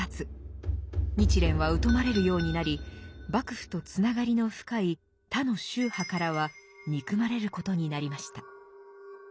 日蓮は疎まれるようになり幕府とつながりの深い他の宗派からは憎まれることになりました。